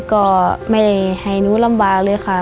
ก็ไม่ได้ให้หนูลำบากเลยค่ะ